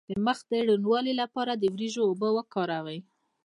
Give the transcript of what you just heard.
د مخ د روڼوالي لپاره د وریجو اوبه وکاروئ